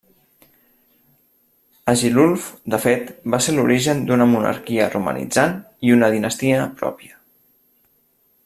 Agilulf, de fet, va ser l'origen d'una monarquia romanitzant i una dinastia pròpia.